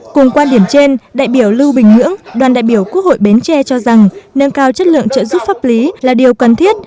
cùng quan điểm trên đại biểu lưu bình nhưỡng đoàn đại biểu quốc hội bến tre cho rằng nâng cao chất lượng trợ giúp pháp lý là điều cần thiết